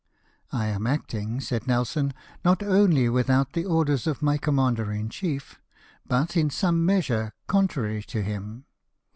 " I am acting," said Nelson, " not only without the orders of my commander in chief, but, in some measure, contrary to him.